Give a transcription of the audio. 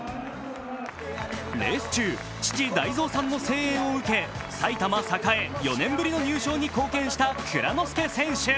レース中、父・大蔵さんの声援を受け埼玉栄、４年ぶりの入賞に貢献した蔵之介選手。